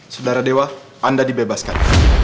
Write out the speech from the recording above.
sudara dewa anda dibebaskan